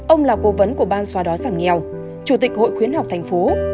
ông là cố vấn của ban xoa đói giảm nghèo chủ tịch hội khuyến học thành phố